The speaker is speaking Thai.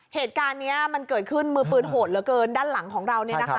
เหตุการณ์นี้มันเกิดขึ้นมือปืนโหดเหลือเกินด้านหลังของเราเนี่ยนะคะ